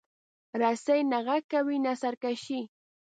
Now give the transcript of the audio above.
رسۍ نه غږ کوي، نه سرکشي.